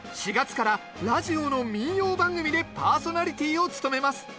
４月からラジオの民謡番組でパーソナリティーを務めます